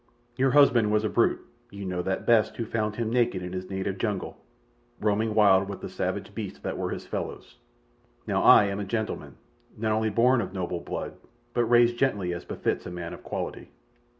"Your husband was a brute—you know that best who found him naked in his native jungle, roaming wild with the savage beasts that were his fellows. Now I am a gentleman, not only born of noble blood, but raised gently as befits a man of quality.